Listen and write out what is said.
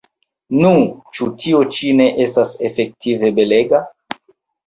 Nu, ĉu tio ĉi ne estas efektive belega?